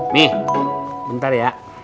nih bentar ya